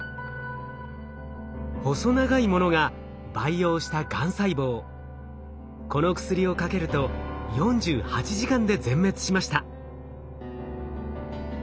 細長いものが培養したこの薬をかけると４８時間で全滅しました。